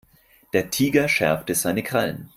Der Tiger schärfte seine Krallen.